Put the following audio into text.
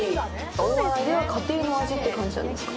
大洗では家庭の味って感じなんですか。